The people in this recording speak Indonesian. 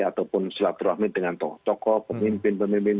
atau pun silaturahmi dengan tokoh tokoh pemimpin pemimpin